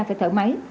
phải thở máy